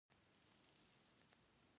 ناپوهو ولسونو ته فکري خوراک برابر کړي.